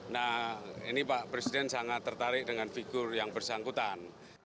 nah ini pak presiden sangat tertarik dengan figur yang bersangkutan